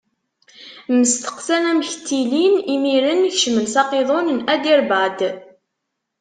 Mmesteqsan amek ttilin, imiren kecmen s aqiḍun n Aderbad.